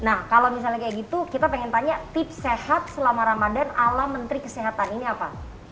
nah kalau misalnya kayak gitu kita pengen tanya tips sehat selama ramadan ala menteri kesehatan ini apa